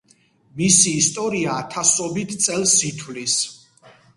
მისი ისტორია ათასობით წელს ითვლის.